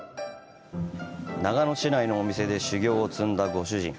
長野市内のお店で修業を積んだご主人。